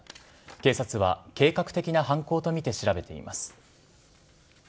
警察は計画的な犯行と見て調べています。